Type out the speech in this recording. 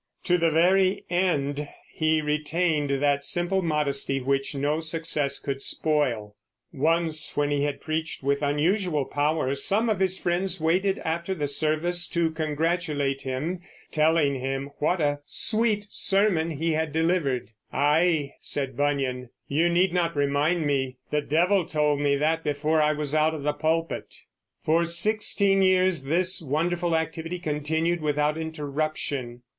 To the very end he retained that simple modesty which no success could spoil. Once when he had preached with unusual power some of his friends waited after the service to congratulate him, telling him what a "sweet sermon" he had delivered. "Aye," said Bunyan, "you need not remind me; the devil told me that before I was out of the pulpit." For sixteen years this wonderful activity continued without interruption.